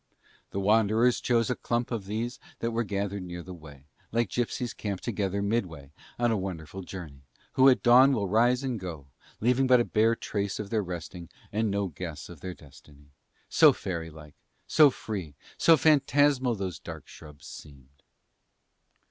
The wanderers chose a clump of these that were gathered near the way, like gypsies camped awhile midway on a wonderful journey, who at dawn will rise and go, leaving but a bare trace of their resting and no guess of their destiny; so fairy like, so free, so phantasmal those dark shrubs seemed.